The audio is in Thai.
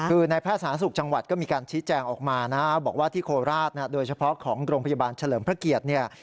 คือในแพทย์สาธารณสุขจังหวัดก็มีการชี้แจงออกมานะบอกว่าที่โคราชโดยเฉพาะของโรงพยาบาลเฉลิมพระเกียรติเนี่ย